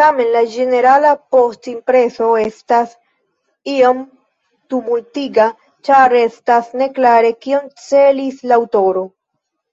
Tamen la ĝenerala postimpreso estas iom tumultiga, ĉar restas neklare, kion celis la aŭtoro.